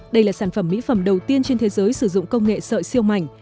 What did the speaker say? đây là sản phẩm mỹ phẩm đầu tiên trên thế giới sử dụng công nghệ sợi siêu mảnh